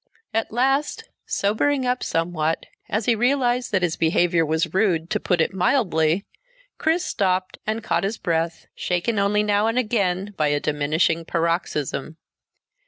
At last, sobering up somewhat as he realized that his behavior was rude, to put it mildly, Chris stopped and caught his breath, shaken only now and again by a diminishing paroxysm.